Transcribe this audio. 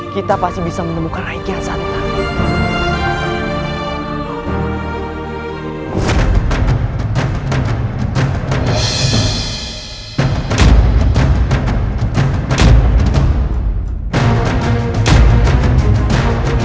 kita pasti bisa menemukan rai kian satu kali